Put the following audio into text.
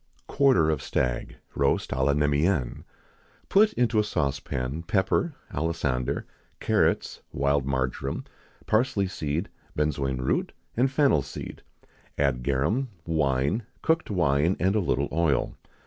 [XIX 53] Quarter of Stag, roast à la Neméenne. Put into a saucepan pepper, alisander, carrots, wild marjoram, parsley seed, benzoin root, and fennel seed; add garum, wine, cooked wine, and a little oil.